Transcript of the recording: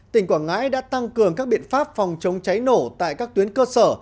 tỉnh quảng ngãi đã tăng cường các biện pháp phòng chống cháy nổ tại các tuyến cơ sở